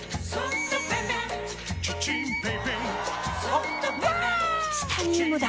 チタニウムだ！